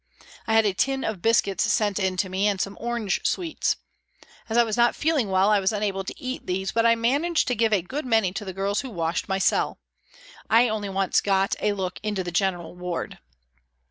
I had a tin of biscuits sent in to me and some orange sweets. As I was not feeling well, I was unable to eat these, but I managed to give a good many to the girls who washed my cell. I only once got a look into the general ward.